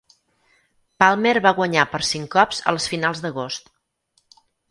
Palmer va guanyar per cinc cops a les finals d'agost.